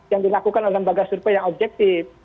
yang dilakukan oleh lembaga survei yang objektif